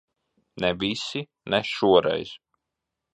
Ne visi. Ne šoreiz.